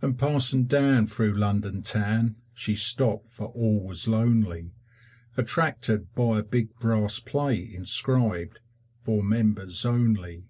And passing down through London Town She stopped, for all was lonely, Attracted by a big brass plate Inscribed, FOR MEMBERS ONLY.